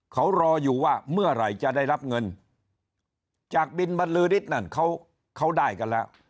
เขารออยู่ว่าเมื่อไหร่จะได้รับเงินจากบินบรรลือฤทธิ์นั่นเขาได้กันแล้ว